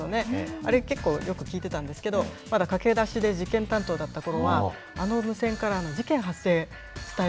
あれ、結構、よく聞いてたんですけど、まだ駆け出しで事件担当だったころは、あの無線から事件発生伝え